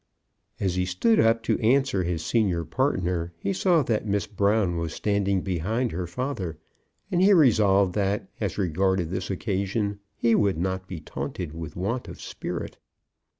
As he stood up to answer his senior partner he saw that Miss Brown was standing behind her father, and he resolved that, as regarded this occasion, he would not be taunted with want of spirit.